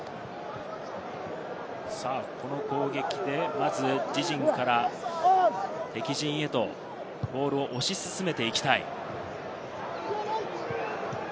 この攻撃で、まず自陣から敵陣へボールを押し進めていきたい。